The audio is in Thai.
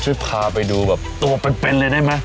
ช่วยพาไปดูแบบตัวเป็นเลยได้ไหม